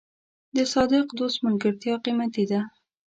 د صادق دوست ملګرتیا قیمتي ده.